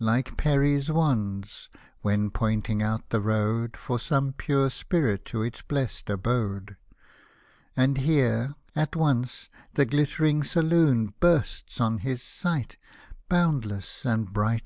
Like Peris' wands, when pointing out the road For some pure Spirit to its blest abode: — And here, at once, the ghttering saloon Bursts on his sight, boundless and bright